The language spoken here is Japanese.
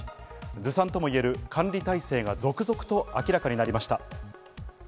ずさんともいえる管理体制が続々と明らかになりました。